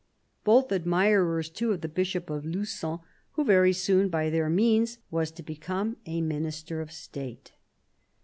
Both admirers, too, of the Bishop Of Lu?on, who very soon, by their means, was to become a Minister of State.